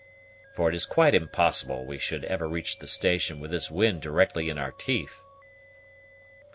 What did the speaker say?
For it is quite impossible we should ever reach the station with this wind directly in our teeth."